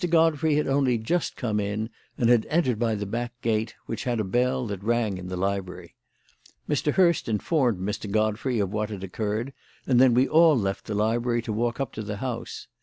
Godfrey had only just come in and had entered by the back gate, which had a bell that rang in the library. Mr. Hurst informed Mr. Godfrey of what had occurred, and then we all left the library to walk up to the house.